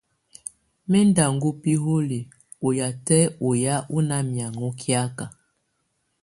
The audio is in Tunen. Mɛ̀ ndɔ̀ ɔŋ biholiǝ́ ɔ yatɛ̀ ɔyà ɔ́ nà miaŋgɔ kiaka.